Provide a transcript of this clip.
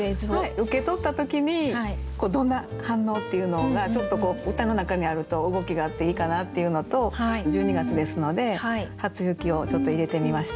受け取った時にどんな反応っていうのがちょっとこう歌の中にあると動きがあっていいかなっていうのと１２月ですので「初雪」をちょっと入れてみました。